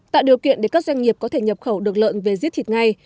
tạo điều kiện để các doanh nghiệp có thể nhập khẩu được lợn về giết thịt ngay